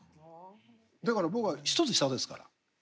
だから僕は１つ下ですから。